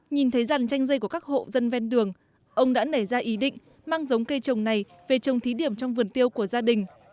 nhìn thấy rằng chanh dây của các hộ dân ven đường ông đã nảy ra ý định mang giống cây trồng này về trồng thí điểm trong vườn tiêu của gia đình